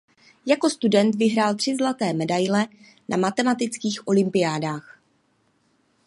Jako student vyhrál tři zlaté medaile na matematických olympiádách.